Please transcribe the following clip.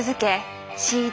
ＣＤ